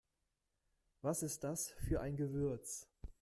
Was ist das für ein Gewürz?